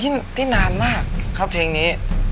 เป็นเพลงที่นานมากครับเพลงนี้